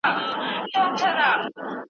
ورور مې په لوړ اواز د چلوونکي په نوم ناره کړه.